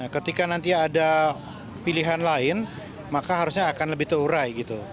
ketika nanti ada pilihan lain maka harusnya akan lebih terurai gitu